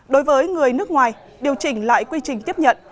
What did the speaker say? đối với người nước ngoài điều chỉnh lại quy trình tiếp nhận